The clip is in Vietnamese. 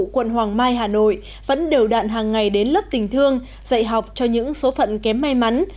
quận hoàng mai hà nội vẫn đều đạn hàng ngày đến lớp tình thương dạy học cho những số phận kém may mắn